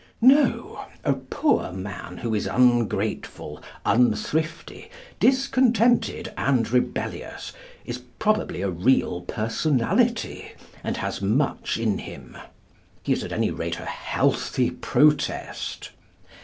No: a poor man who is ungrateful, unthrifty, discontented, and rebellious, is probably a real personality, and has much in him. He is at any rate a healthy protest.